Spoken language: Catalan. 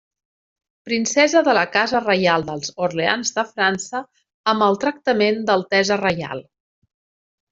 Princesa de la Casa reial dels Orleans de França amb el tractament d'altesa reial.